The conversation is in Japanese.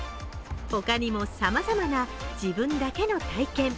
他にもさまざまな自分だけの体験